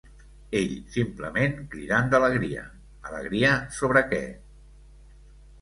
Ell simplement cridant d'alegria, alegria sobre què.